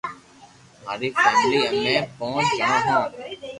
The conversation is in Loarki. ماري فيملي امي پونچ جڻو ھون